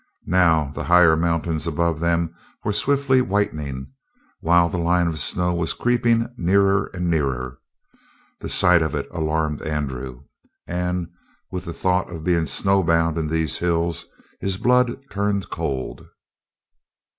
Now the higher mountains above them were swiftly whitening, while the line of the snow was creeping nearer and nearer. The sight of it alarmed Andrew, and, with the thought of being snow bound in these hills, his blood turned cold.